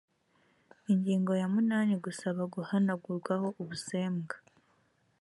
ingingo ya munani gusaba guhanagurwaho ubusembwa